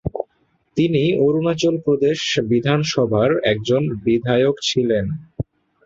তিনি অরুণাচল প্রদেশ বিধানসভার একজন বিধায়ক ছিলেন।